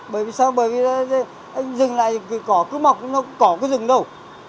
bởi vì sao bởi vì dừng lại thì cỏ cứ mọc cỏ cứ dừng đâu